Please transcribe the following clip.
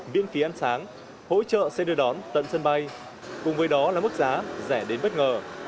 miễn phí ăn sáng hỗ trợ xe đưa đón tận sân bay cùng với đó là mức giá rẻ đến bất ngờ